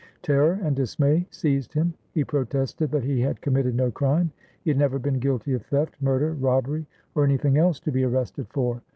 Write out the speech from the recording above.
" Terror and dismay seized him. He protested that he had com mitted no crime. He had never been guilty of theft, murder, robbery, or anything else to be arrested for.